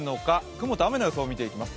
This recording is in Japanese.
雲と雨の予想を見ていきます。